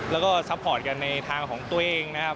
แล้วก็ซัพพอร์ตกันในทางของตัวเองนะครับ